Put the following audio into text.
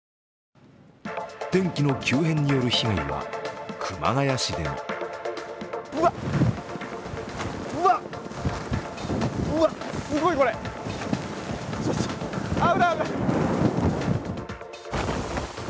天気の急変による被害は熊谷市でもうわっ、うわっすごいこれ危ない、危ない。